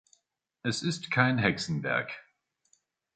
Es ist kein Hexenwerk.